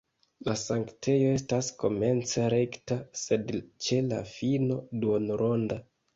La sanktejo estas komence rekta, sed ĉe la fino duonronda.